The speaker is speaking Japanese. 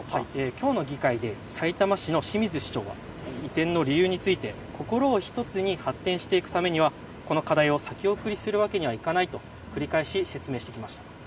きょうの議会でさいたま市の清水市長は移転の理由について心を１つに発展していくためにはこの課題を先送りするわけにはいかないと繰り返し説明していました。